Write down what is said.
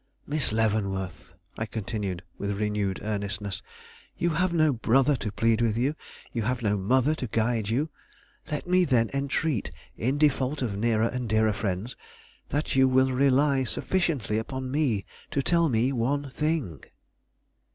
"Miss Leavenworth," I continued with renewed earnestness, "you have no brother to plead with you, you have no mother to guide you; let me then entreat, in default of nearer and dearer friends, that you will rely sufficiently upon me to tell me one thing."